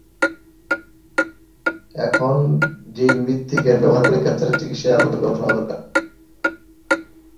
এখন জিনভিত্তিক জ্ঞান ব্যবহার করে ক্যানসারের চিকিৎসায় আরও নতুন গবেষণা হওয়া দরকার।